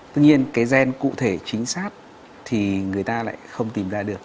tuy nhiên cái gen cụ thể chính xác thì người ta lại không tìm ra được